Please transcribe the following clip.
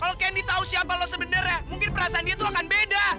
kalo kendy tau siapa lu sebenernya mungkin perasaan dia tuh akan beda